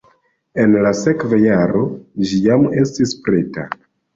En la sekva jaro ĝi jam estis preta.